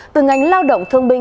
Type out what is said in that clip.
từ ngành lao động thương binh